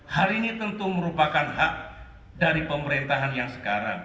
hal ini tentu merupakan hak dari pemerintahan yang sekarang